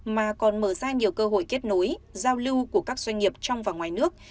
mà còn mở ra nhiều cơ hội kết nối giao lưu của các doanh nghiệp trong và ngoài nước